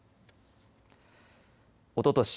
おととし